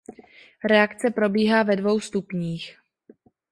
Reakce probíhá ve dvou stupních.